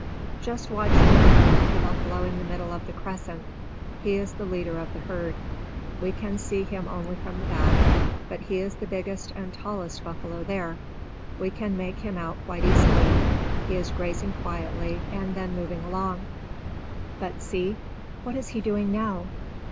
Just watch for a minute the buffalo in the middle of the crescent; he is the leader of the herd. We can see him only from the back; but as he is the biggest and tallest buffalo there, we can make him out quite easily. He is grazing quietly, and then moving along. But see, what is he doing now?